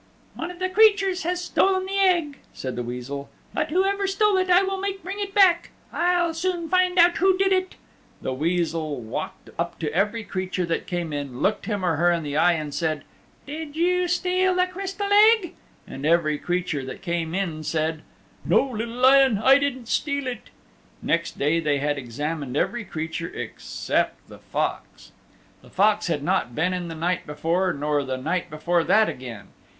"One of the creatures has stolen the Egg," said the Weasel, "but whoever stole it I will make bring it back. I'll soon find out who did it." The Weasel walked up to every creature that came in, looked him or her in the eye and said, "Did you steal the Crystal Egg?" And every creature that came in said, "No, Little Lion, I didn't steal it." Next day they had examined every creature except the Fox. The Fox had not been in the night before nor the night before that again.